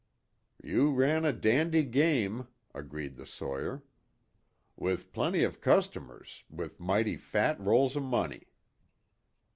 "You ran a dandy game," agreed the sawyer. "With plenty of customers with mighty fat rolls of money."